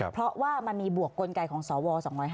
เพราะว่ามันมีบวกกลไกของสว๒๕๕